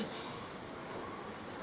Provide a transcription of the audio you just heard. silahkan tanya semua menteri